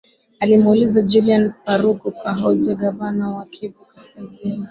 alimuuliza julian paruku kahonja gavana wa kivu kaskazini